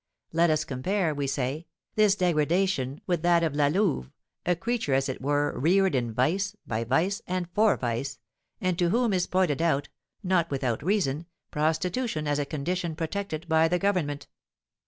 Let us compare, we say, this degradation with that of La Louve, a creature, as it were, reared in vice, by vice, and for vice, and to whom is pointed out, not without reason, prostitution as a condition protected by the government!